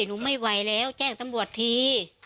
หนูไม่ไหวแล้วแจ้งตำรวจที